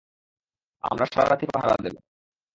আমরা সারারাতই পাহারা দেবো।